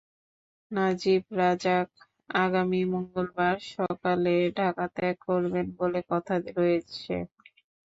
Najib Razak আগামী মঙ্গলবার সকালে ঢাকা ত্যাগ করবেন বলে কথা রয়েছে।